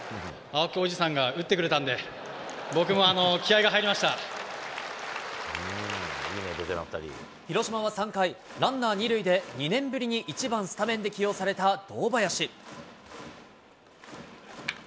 青木おじさんが打ってくれた広島は３回、ランナー２塁で２年ぶりに１番スタメンで起用された堂林。